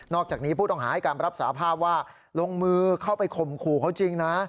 จากนี้ผู้ต้องหาให้การรับสาภาพว่าลงมือเข้าไปข่มขู่เขาจริงนะ